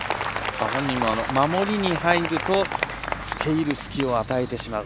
本人も守りに入るとつけいる隙を与えてしまう。